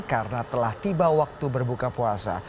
karena telah tiba waktu berbuka puasa